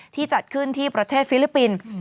จัดขึ้นที่ประเทศฟิลิปปินส์